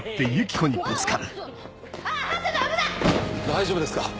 大丈夫ですか？